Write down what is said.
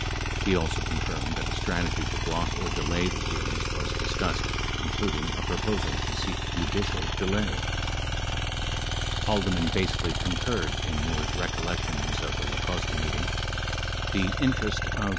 18 He also confirmed that a strategy to block or delay the hearings was discussed, including a proposal to seek judicial delay. 19 Haldeman basically concurred in Moore's recollections of the La Costa meeting. 20 The interest of the 10 3 Hearings 985 .